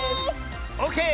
オーケー！